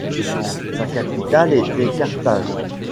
Sa capitale était Carthage.